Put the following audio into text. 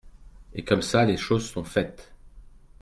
Et comme ça les choses sont faites.